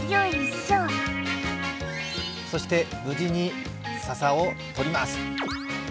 そして無事にささをとります。